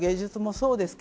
そうですね。